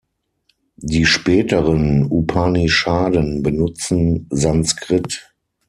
Die späteren Upanishaden benutzen Sanskrit.